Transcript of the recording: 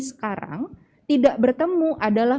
sekarang tidak bertemu adalah